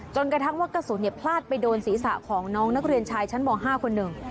กระทั่งว่ากระสุนพลาดไปโดนศีรษะของน้องนักเรียนชายชั้นม๕คนหนึ่ง